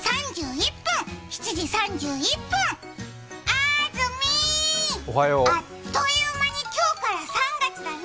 あずみ、あっという間に今日から３月だね。